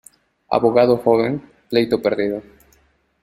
Abogado joven, pleito perdido.